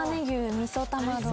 みそ玉丼